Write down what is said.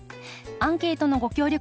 アンケートのご協力